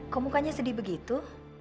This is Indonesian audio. kok mukanya sedih begitu